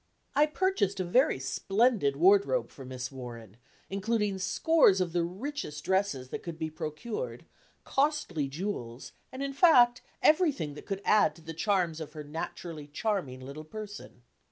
I purchased a very splendid wardrobe for Miss Warren, including scores of the richest dresses that could be procured, costly jewels, and in fact everything that could add to the charms of her naturally charming little person.